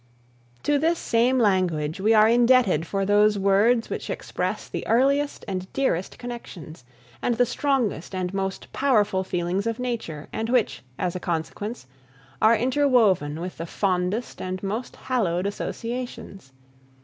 To this same language we are indebted for those words which express the earliest and dearest connections, and the strongest and most powerful feelings of Nature, and which, as a consequence, are interwoven with the fondest and most hallowed associations.